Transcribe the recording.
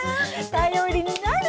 頼りになる！